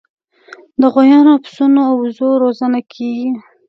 د غویانو، پسونو او وزو روزنه کیږي.